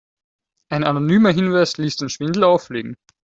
Ein anonymer Hinweis ließ den Schwindel auffliegen.